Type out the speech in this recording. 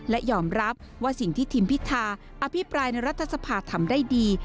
และยอมรับว่าสิ่งที่ทีมพิธาอภิปรายในรัฐสภาทำได้ดี